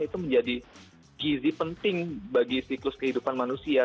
itu menjadi gizi penting bagi siklus kehidupan manusia